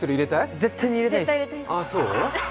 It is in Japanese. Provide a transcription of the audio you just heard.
絶対に入れたいです。